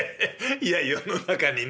いや世の中にね